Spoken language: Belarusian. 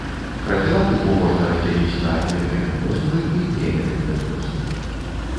Прафілактыку можна раздзяліць на медыкаментозную і немедыкаментозную.